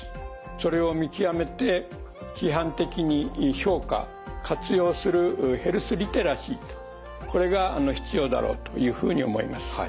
それを見極めて批判的に評価活用するヘルスリテラシーとこれが必要だろうというふうに思います。